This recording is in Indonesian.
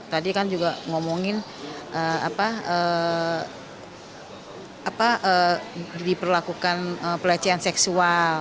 tadi kan juga ngomongin diperlakukan pelecehan seksual